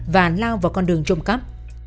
và lao vào con đường trộm cắp